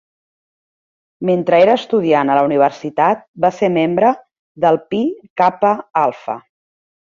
Mentre era estudiant a la universitat va ser membre del Pi Kappa Alpha.